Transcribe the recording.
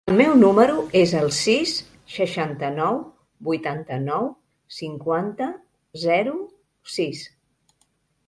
El meu número es el sis, seixanta-nou, vuitanta-nou, cinquanta, zero, sis.